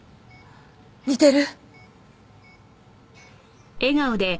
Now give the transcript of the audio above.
似てる？